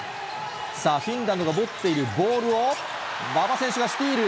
さあ、フィンランドが持っているボールを、馬場選手がスティール。